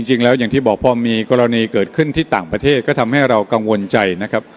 อย่างที่บอกพอมีกรณีเกิดขึ้นที่ต่างประเทศก็ทำให้เรากังวลใจนะครับ